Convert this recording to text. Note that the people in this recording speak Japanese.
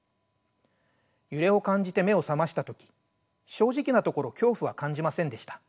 揺れを感じて目を覚ました時正直なところ恐怖は感じませんでした。